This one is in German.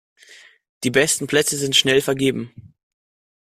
Die besten Plätze sind schnell vergeben.